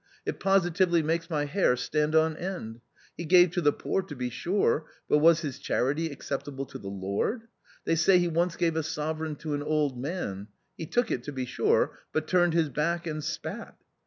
It positively makes my hair stand on end. He gave to the poor to be sure, but was his charity acceptable to the Lord ? They say he once gave a sovereign to an old man ; he took it to be sure, but turned his back and spat.